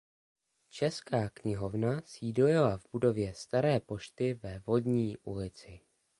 Česká knihovna sídlila v budově staré pošty ve Vodní ulici.